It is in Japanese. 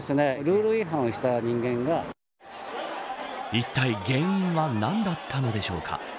いったい原因は何だったのでしょうか。